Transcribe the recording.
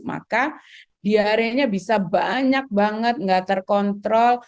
maka diare nya bisa banyak banget nggak terkontrol